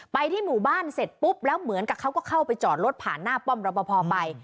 ที่หมู่บ้านเสร็จปุ๊บแล้วเหมือนกับเขาก็เข้าไปจอดรถผ่านหน้าป้อมรับประพอไป